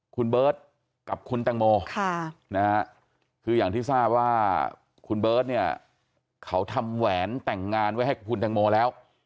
คุณเบิร์ตกับคุณแตงโมคืออย่างที่ทราบว่าคุณเบิร์ตเนี่ยเขาทำแหวนแต่งงานไว้ให้คุณแตงโมแล้ว